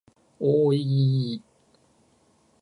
おおおいいいいいい